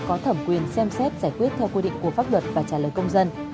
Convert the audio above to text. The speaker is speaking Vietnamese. có thẩm quyền xem xét giải quyết theo quy định của pháp luật và trả lời công dân